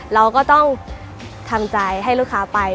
เราก็ต้องทำใจให้ลูกค้าไป